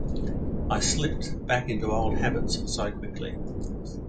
I slipped back into old habits so quickly.